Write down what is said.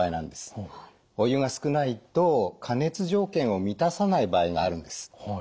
お湯が少ないと加熱条件を満たさない場合があるんです。